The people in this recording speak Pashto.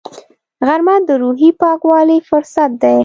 غرمه د روحي پاکوالي فرصت دی